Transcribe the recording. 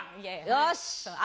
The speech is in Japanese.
よし！